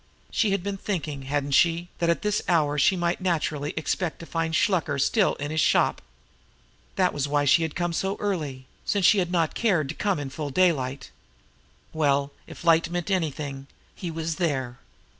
She had been thinking, hadn't she, that at this hour she might naturally expect to find Shluker still in his shop? That was why she had come so early since she had not cared to come in full daylight. Well, if that light meant anything, he was there.